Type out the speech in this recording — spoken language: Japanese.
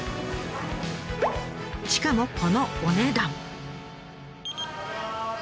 しかもこのお値段。